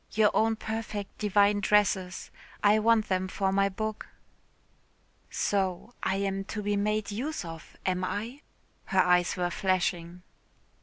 Your own perfect divine dresses. I want them for my book." "So I am to be made use of, am I?" Her eyes were flashing.